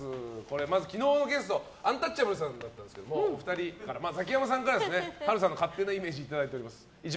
まず、昨日のゲストアンタッチャブルさんだったんですがザキヤマさんから波瑠さんの勝手なイメージいただいております。